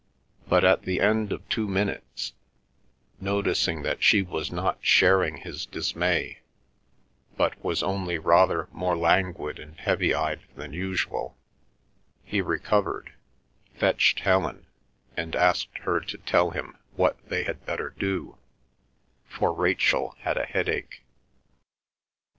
But at the end of two minutes, noticing that she was not sharing his dismay, but was only rather more languid and heavy eyed than usual, he recovered, fetched Helen, and asked her to tell him what they had better do, for Rachel had a headache.